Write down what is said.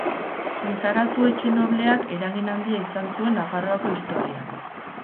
Lizarazu etxe nobleak eragin handia izan zuen Nafarroako historian.